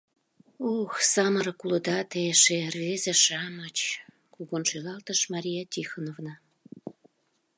— Ох, самырык улыда те эше, рвезе-шамыч, — кугун шӱлалтыш Мария Тихоновна.